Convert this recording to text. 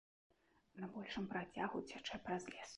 На большым працягу цячэ праз лес.